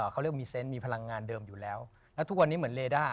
เขาเรียกมีเซนต์มีพลังงานเดิมอยู่แล้วแล้วทุกวันนี้เหมือนเลด้า